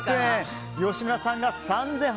吉村さんが３８００円。